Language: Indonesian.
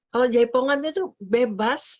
kalau jaipongannya itu bebas